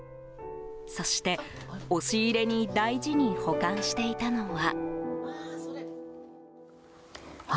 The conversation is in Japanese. そして、押し入れに大事に保管していたのは。